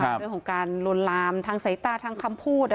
เรื่องของการลวนลามทางสายตาทางคำพูด